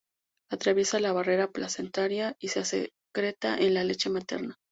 Atraviesa la barrera placentaria y se secreta en la leche materna.